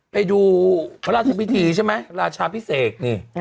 ไปดูพระราชวิทธิใช่มั้ยราชาพิเศก